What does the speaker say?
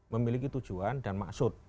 memiliki tujuan dan maksud